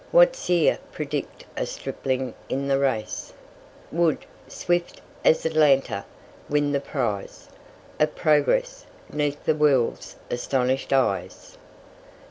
What seer predict a stripling in the race Would, swift as Atalanta, win the prize Of progress, 'neath the world's astonished eyes?"